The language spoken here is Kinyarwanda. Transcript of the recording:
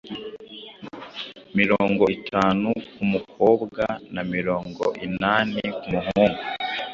mirongo itanu ku mukobwa na mirongo inani ku muhungu